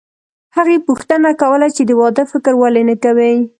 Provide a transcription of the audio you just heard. هغې پوښتنه کوله چې د واده فکر ولې نه کوې